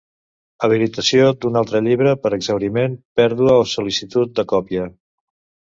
Habilitació d'un altre llibre per exhauriment, pèrdua o sol·licitud de còpia.